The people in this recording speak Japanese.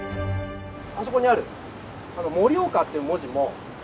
あそこにある「もりおか」っていう文字も。